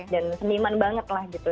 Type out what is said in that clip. dan seniman banget lah gitu